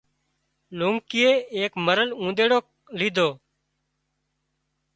لونڪيئي ايڪ مرل اونۮيڙو ليڌو